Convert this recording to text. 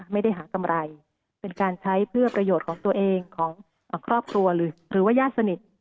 ไม่ได้หากำไรเป็นการใช้เพื่อประโยชน์ของตัวเองของครอบครัวหรือว่าญาติสนิท